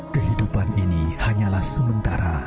kehidupan ini hanyalah sementara